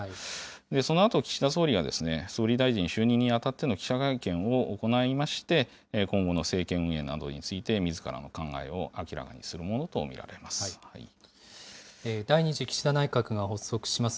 そのあと岸田総理が総理大臣就任に当たっての記者会見を行いまして、今後の政権運営などについて、みずからの考えを明らかにするも第２次岸田内閣が発足します。